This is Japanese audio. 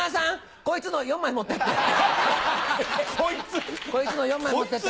こいつ⁉こいつの４枚持ってって。